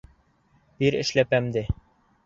Бир эшләпәмде!